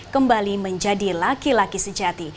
kembali menjadi laki laki sejati